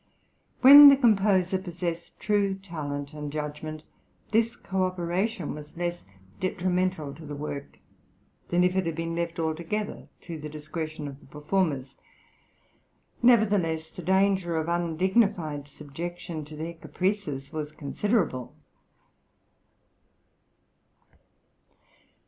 When the composer possessed true talent and judgment, this co operation was less detrimental to the work than if it had been left altogether to the discretion of the performers; nevertheless, the danger of undignified subjection to their caprices was considerable.